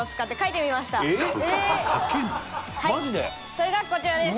それがこちらです。